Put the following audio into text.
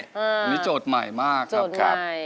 อันนี้โจทย์ใหม่มากครับ